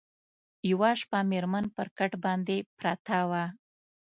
یوه شپه مېرمن پر کټ باندي پرته وه